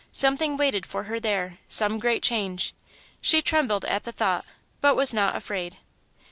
Something waited for her there some great change. She trembled at the thought, but was not afraid.